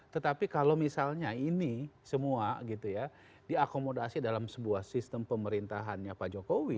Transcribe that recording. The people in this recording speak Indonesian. tetapi kalau misalnya ini semua gitu ya diakomodasi dalam sebuah sistem pemerintahannya pak jokowi